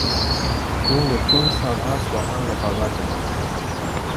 این دو تیم سالهاست با هم رقابت دارند.